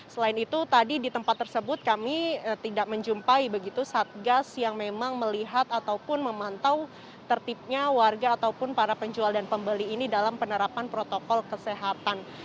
selain itu tadi di tempat tersebut kami tidak menjumpai begitu satgas yang memang melihat ataupun memantau tertibnya warga ataupun para penjual dan pembeli ini dalam penerapan protokol kesehatan